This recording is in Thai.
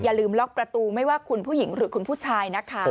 ลืมล็อกประตูไม่ว่าคุณผู้หญิงหรือคุณผู้ชายนะคะ